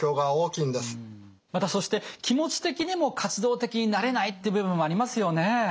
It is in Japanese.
またそして気持ち的にも活動的になれないって部分もありますよね。